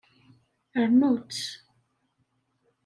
Rnu-tt.